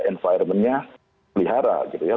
environmentnya melihara gitu ya